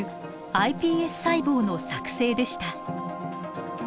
ｉＰＳ細胞の作製でした。